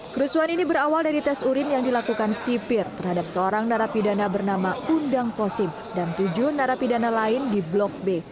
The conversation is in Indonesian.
kerusuhan ini berawal dari tes urin yang dilakukan sipir terhadap seorang narapidana bernama undang posim dan tujuh narapidana lain di blok b